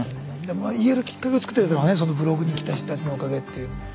まあ言えるきっかけを作ってくれたのはブログに来た人たちのおかげっていう。